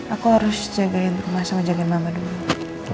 aku harus jagain rumah sama jagain mama dulu